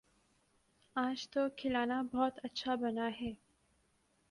آج تو کھانا بہت اچھا بنا ہے